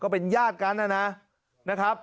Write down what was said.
เป็นญาติกันนะครับ